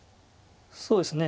そうですね